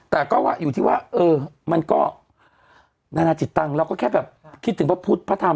แต่ก็ว่าอยู่ที่ว่าเออมันก็นานาจิตตังค์เราก็แค่แบบคิดถึงพระพุทธพระธรรม